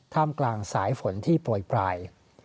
ท่ามกลางสายฝนที่โปรดปลาย